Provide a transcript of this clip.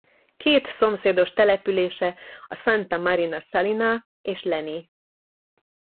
Két szomszédos települése a Santa Marina Salina és Leni.